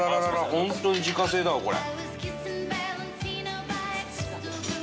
本当に自家製だわこれ。